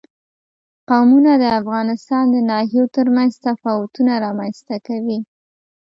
قومونه د افغانستان د ناحیو ترمنځ تفاوتونه رامنځ ته کوي.